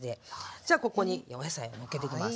じゃあここにお野菜のっけていきます。